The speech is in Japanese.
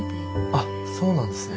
あっそうなんですね。